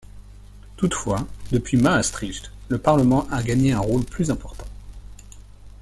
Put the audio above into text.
Toutefois, depuis Maastricht, le Parlement a gagné un rôle plus important.